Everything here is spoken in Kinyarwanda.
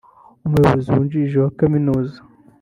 Umuyobozi Wungirije wa Kaminuza